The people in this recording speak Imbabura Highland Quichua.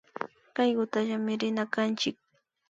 Kaykutallami rina kanchik